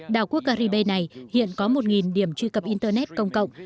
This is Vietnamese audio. đảo quốc caribe này hiện có một điểm truy cập internet công cộng